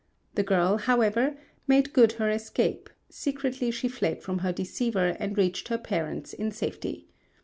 The girl, however, made good her escape; secretly she fled from her deceiver and reached her parents in safety.